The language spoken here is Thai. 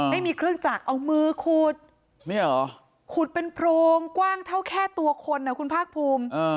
ไม่มีเครื่องจักรเอามือขุดขุดเป็นโพรงกว้างเท่าแค่ตัวคนนะคุณภาคภูมิ